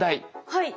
はい。